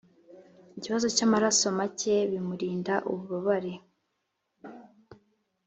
ikibazo cy amaraso make b imurinda ububabare